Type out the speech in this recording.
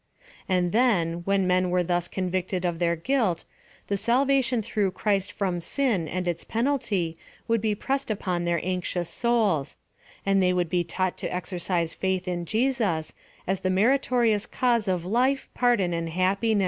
And then, when men were thus convicted of their guilt, the salvation through Christ from sin and its penalty, would oe pressed upon their anxious souls ; and they would be tauglit to exercise faith, in Jesus, as the meritorious cause of life, pardon, and happiness.